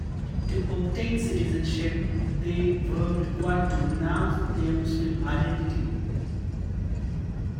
To obtain citizenship, they were required to renounce their Muslim identity.